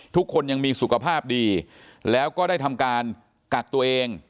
ทุกคนยังมีสุขภาพดีแล้วก็ได้ทำการกักตัวเอง